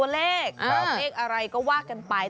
เห้กอะไรก็วากกันไป